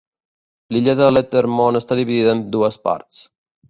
L'illa de Lettermore està dividida en dues parts.